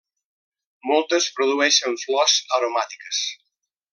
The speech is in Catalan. Moltes produeixen flors aromàtiques.